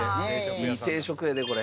いい定食やでこれ。